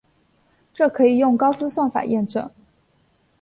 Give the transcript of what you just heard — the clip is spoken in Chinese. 这可以用高斯算法验证。